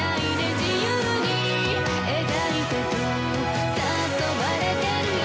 「自由に描いてと誘われてるよ」